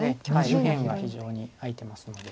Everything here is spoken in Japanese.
右辺が非常に空いてますので。